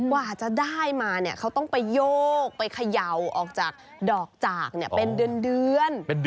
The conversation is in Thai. กว่าจะได้มาเขาต้องไปโยกไปเขย่าออกจากดอกจากเป็นเดือน